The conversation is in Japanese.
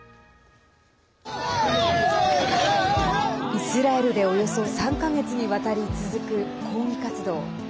イスラエルでおよそ３か月にわたり続く抗議活動。